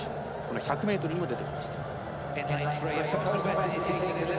１００ｍにも出てきました。